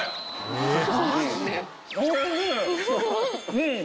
うん！